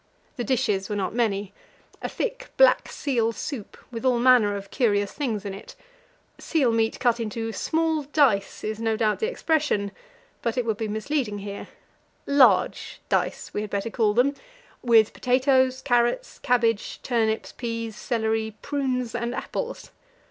The dishes were not many: a thick, black seal soup, with all manner of curious things in it seal meat cut into "small dice" is no doubt the expression, but it would be misleading here; "large dice" we had better call them with potatoes, carrots, cabbage, turnips, peas, celery, prunes, and apples.